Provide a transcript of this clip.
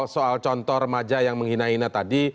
soal contoh remaja yang menghina hina tadi